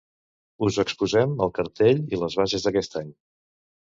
Us exposem el cartell i les bases d'aquest any.